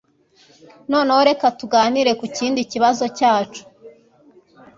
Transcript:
Noneho, reka tuganire kukindi kibazo cyacu.